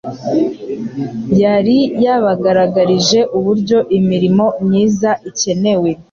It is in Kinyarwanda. yari yabagaragarije uburyo imirimo myiza ikenewe,